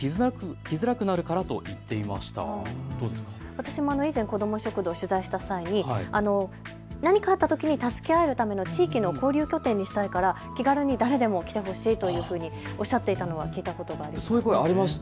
私も以前、子ども食堂を取材した際に何かあったときに助け合えるための地域の交流拠点にしたいから気軽に誰でも来てほしいというふうにおっしゃっていたのは聞いたことがあります。